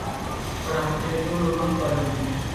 anak kecil itu lulut pada bibinya